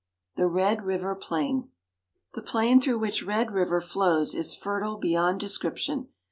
THE RED RIVER PLAIN The plain through which Red River flows is fertile beyond description.